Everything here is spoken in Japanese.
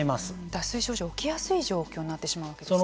脱水症状が起きやすい状況になってしまうわけですね。